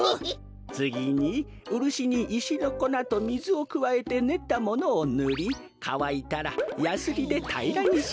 つぎにウルシにいしのこなとみずをくわえてねったものをぬりかわいたらやすりでたいらにします。